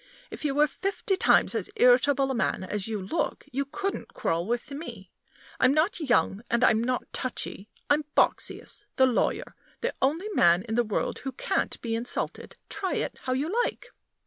If you were fifty times as irritable a man as you look, you couldn't quarrel with me. I'm not young, and I'm not touchy I'm Boxsious, the lawyer; the only man in the world who can't be insulted, try it how you like!"